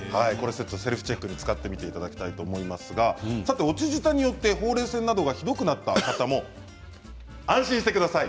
セルフチェックで使っていただきたいと思いますが落ち舌によってほうれい線などがひどくなった方も安心してください！